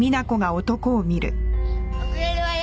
遅れるわよ。